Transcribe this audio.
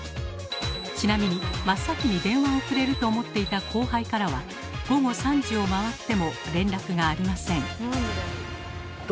ちなみに真っ先に電話をくれると思っていた後輩からは午後３時を回っても連絡がありません。